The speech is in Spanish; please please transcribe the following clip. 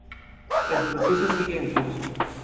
El proceso sigue en curso.